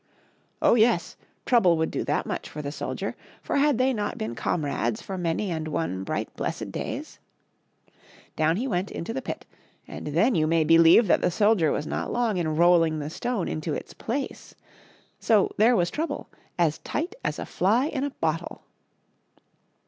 Oh, yes ! Trouble would do that much for the soldier, for had they not been comrades for many and one bright, blessed days ? Down he went into the pit, and then you may believe that the soldier was not long in rolling the stone into its place. So there was Trouble as tight as a fly in a bottle.